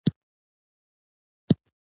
د چرګانو ساتنه د شیدو او هګیو کیفیت لوړوي.